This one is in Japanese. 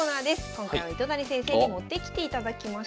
今回は糸谷先生に持ってきていただきました。